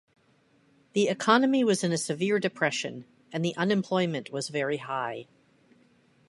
The economy was in a severe depression and the unemployment was very high.